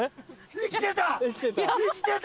生きてた！